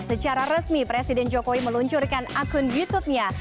secara resmi presiden jokowi meluncurkan akun youtubenya